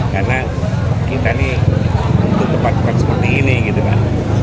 karena kita nih untuk tempat tempat seperti ini gitu kan